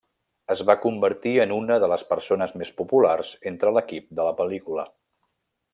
Es va convertir en una de les persones més populars entre l'equip de la pel·lícula.